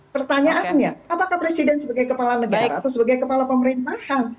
pertanyaannya apakah presiden sebagai kepala negara atau sebagai kepala pemerintahan